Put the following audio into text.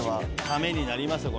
ためになりますよ